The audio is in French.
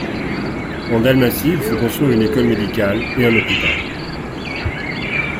En Dalmatie, il fait construire une école médicale et un hôpital.